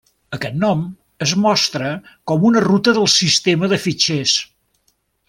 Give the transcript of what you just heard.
Aquest nom es mostra com una ruta del sistema de fitxers.